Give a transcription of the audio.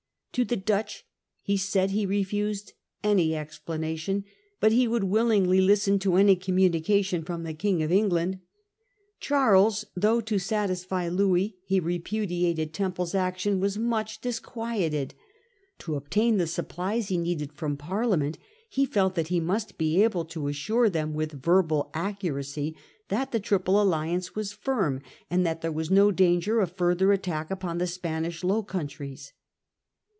To the Dutch, he said, he refused any ex His planation ; but he would willingly listen to difficulties ^ any communication from the King of Eng dccdving° land. Charles, though to satisfy Louis he Parliament. re p U dj a t c d Temple's action, was much dis quieted. To obtain the supplies he needed from Parlia ment he felt that he must be able to assure them with verbal accuracy that the Triple Alliance was firm, and that there was no danger of further attack upon the Spanish Low Countries.